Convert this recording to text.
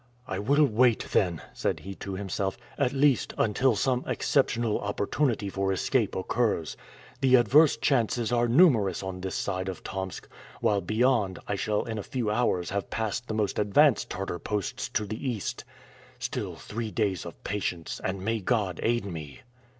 "I will wait, then," said he to himself; "at least, unless some exceptional opportunity for escape occurs. The adverse chances are numerous on this side of Tomsk, while beyond I shall in a few hours have passed the most advanced Tartar posts to the east. Still three days of patience, and may God aid me!"